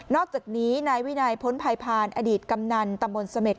อกจากนี้นายวินัยพ้นภัยพานอดีตกำนันตำบลเสม็ด